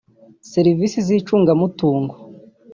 serivisi z’icungamutungo